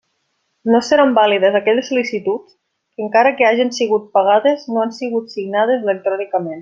No seran vàlides aquelles sol·licituds que encara que hagen sigut pagades no han sigut signades electrònicament.